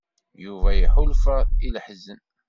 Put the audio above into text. Yuba iḥulfa i leḥzen.